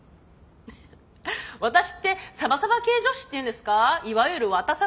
私ってサバサバ系女子っていうんですかいわゆる「ワタサバ」